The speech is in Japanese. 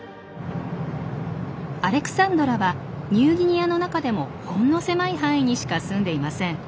アレクサンドラはニューギニアの中でもほんの狭い範囲にしかすんでいません。